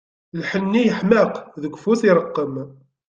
Lḥenni yeḥmeq, deg ufus ireqqem.